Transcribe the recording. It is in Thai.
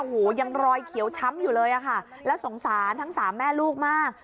โอ้โหยังรอยเขียวช้ำอยู่เลยอะค่ะแล้วสงสารทั้งสามแม่ลูกมาก